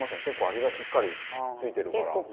結構味がしっかり付いてるから。